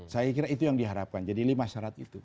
saya kira itu yang diharapkan jadi lima syarat itu